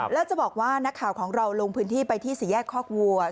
แล้วจะบอกว่านักข่าวของเราลงพื้นที่ไปที่สี่แยกคอกวัว